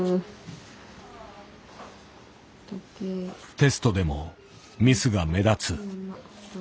テストでもミスが目立つ。